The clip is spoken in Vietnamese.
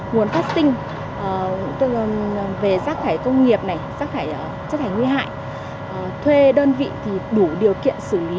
nguồn phát sinh tức là về chất thải công nghiệp này chất thải nguy hại thuê đơn vị thì đủ điều kiện xử lý